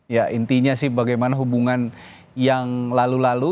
ya intinya sih bagaimana hubungan yang lalu lalu